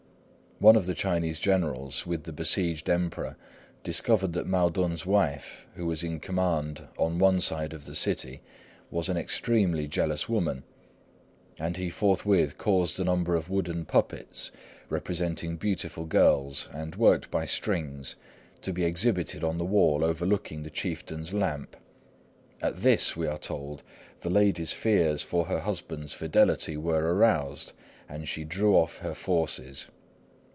One of the Chinese generals with the besieged Emperor discovered that Mao tun's wife, who was in command on one side of the city, was an extremely jealous woman; and he forthwith caused a number of wooden puppets, representing beautiful girls and worked by strings, to be exhibited on the wall overlooking the chieftain's camp. At this, we are told, the lady's fears for her husband's fidelity were aroused, and she drew off her forces.